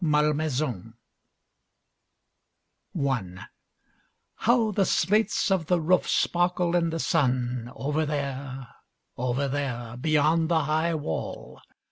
Malmaison I How the slates of the roof sparkle in the sun, over there, over there, beyond the high wall!